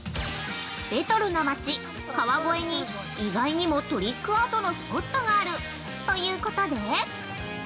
◆レトロな町川越に意外にもトリックアートのスポットがあるということで。